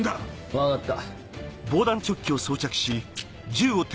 分かった。